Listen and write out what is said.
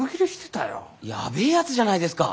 やべえやつじゃないですか。